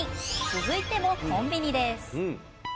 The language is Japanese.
続いてもコンビニです。